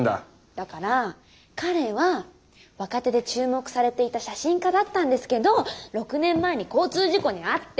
だから彼は若手で注目されていた写真家だったんですけど６年前に交通事故に遭って。